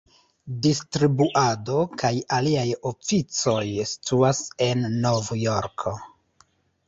Distribuado kaj aliaj oficoj situas en Novjorko.